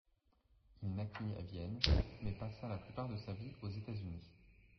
Il naquit à Vienne mais passa la plupart de sa vie aux États-Unis.